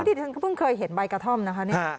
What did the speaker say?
วันนี้ฉันก็เพิ่งเคยเห็นใบกระท่อมนะฮะ